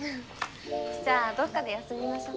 じゃあどっかで休みましょう。